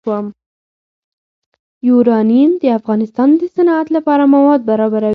یورانیم د افغانستان د صنعت لپاره مواد برابروي.